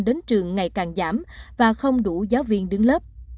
đến trường ngày càng giảm và không đủ giáo viên đứng lớp